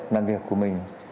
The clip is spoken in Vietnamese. làm việc của mình